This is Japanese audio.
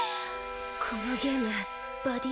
このゲームバディ